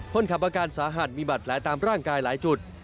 คนขับประการสาหัสมีบัตรแลตามร่างกายหลายจุด